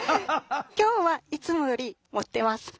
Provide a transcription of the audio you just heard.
今日はいつもより盛ってます。